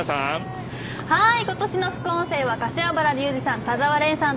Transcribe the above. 今年の副音声は柏原竜二さんと田澤廉さん